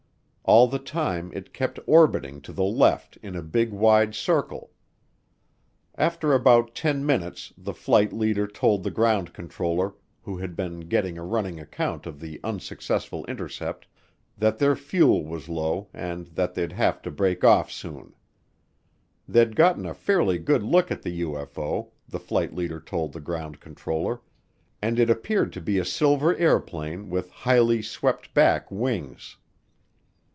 All the time it kept orbiting to the left in a big, wide circle. After about ten minutes the flight leader told the ground controller, who had been getting a running account of the unsuccessful intercept, that their fuel was low and that they'd have to break off soon. They'd gotten a fairly good look at the UFO, the flight leader told the ground controller, and it appeared to be a silver airplane with highly swept back wings.